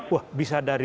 wah bisa dari